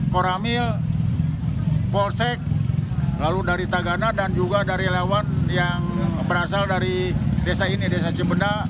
koramil polsek lalu dari tagana dan juga dari lawan yang berasal dari desa ini desa cimpenda